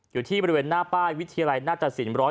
อยู่ที่บริเวณหน้าป้ายวิทยาลัยหน้าตสิน๑๐